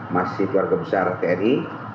masih keluarga besar tni